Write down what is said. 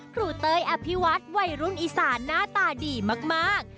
เต้ยอภิวัฒน์วัยรุ่นอีสานหน้าตาดีมาก